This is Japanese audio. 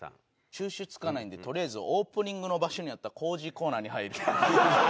収集つかないんでとりあえずオープニングの場所にあったコージーコーナーに入る。